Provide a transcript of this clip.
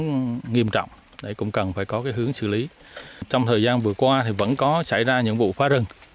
rất nghiêm trọng cũng cần phải có cái hướng xử lý trong thời gian vừa qua thì vẫn có xảy ra những vụ phá rừng